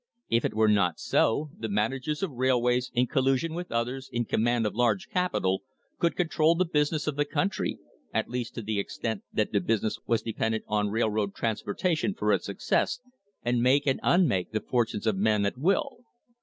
If it were not so, the managers of railways in collusion with others in command of large capital could control the business of the country, at least to the extent that the business was dependent on THE WAR ON THE REBATE railroad transportation for its success, and make and unmake the fortunes of men at will.